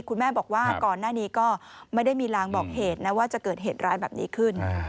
คุณแม่บอกว่าก่อนหน้านี้ก็ไม่ได้มีลางบอกเหตุนะว่าจะเกิดเหตุร้ายแบบนี้ขึ้น